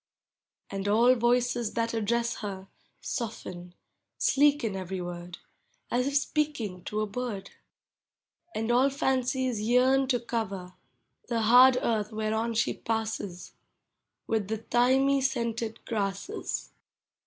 And all voices that address her Soften, sleeken every word, As if speaking to a bird. And all fancies yearn to cover The hard earth whereon she passes, With the thymy scented grasses.